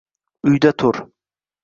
Uyda tur!